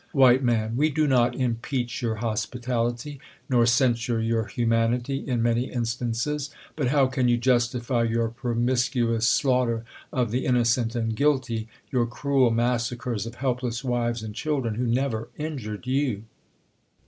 W, Man, We do not impeach your hospitality, nor Crcnsure your humanity in many instances ; but how can you justify your promiscuous slaughter of the in nocertt I THE COLUMBIAN ORATOR. 271 nocent and guilty, your cniel massacres of helpless wives and children wlio never injured you